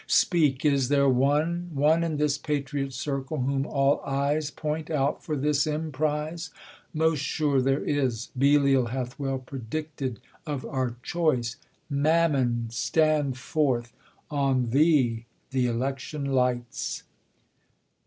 Speak, is there one, One in this patriot circle, whom all eyes Point out for this emprise ? Most sure there is ; Belial hath well predicted of our choice : Mammon, stand forth ! on thee th' election lights.